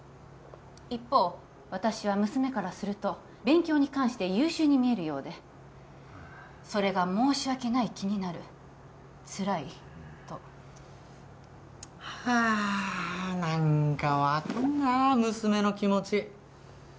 一方私は娘からすると勉強に関して優秀に見えるようでそれが申し訳ない気になるつらいとはあ何か分かんな娘の気持ち